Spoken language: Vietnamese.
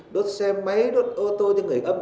đốt xe máy đốt ô tô cho người âm